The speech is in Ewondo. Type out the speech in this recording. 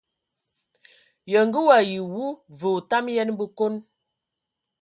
Ye ngə wayi wu, və otam yən bəkon.